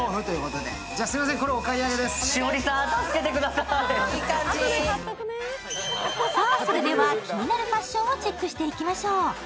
さあ、それでは気になるファッションをチェックしていきましょう。